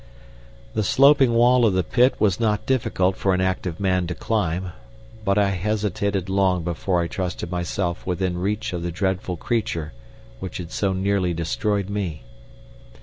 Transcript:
The sloping wall of the pit was not difficult for an active man to climb, but I hesitated long before I trusted myself within reach of the dreadful creature which had so nearly destroyed me.